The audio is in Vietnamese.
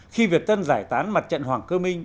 khi việt tân giải tán mặt trận hoàng cơ minh